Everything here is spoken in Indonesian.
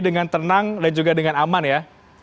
dengan tenang dan juga dengan aman ya